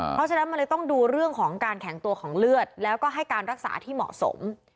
เพราะฉะนั้นมันเลยต้องดูเรื่องของการแข็งตัวของเลือดแล้วก็ให้การรักษาที่เหมาะสม